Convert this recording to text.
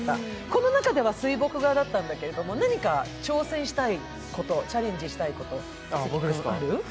この中では水墨画だったんだけれども、何か挑戦したいこと、チャレンジしたいことはある？